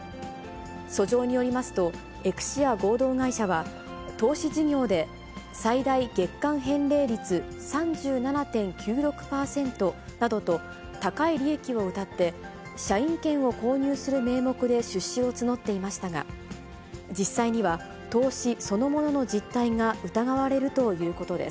訴状によりますと、エクシア合同会社は、投資事業で、最大月間返戻率３７．９６％などと、高い利益をうたって、社員権を購入する名目で出資を募っていましたが、実際には投資そのものの実態が疑われるということです。